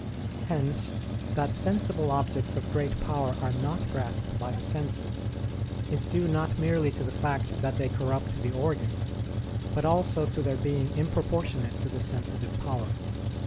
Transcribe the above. Hence that sensible objects of great power are not grasped by the senses, is due not merely to the fact that they corrupt the organ, but also to their being improportionate to the sensitive power.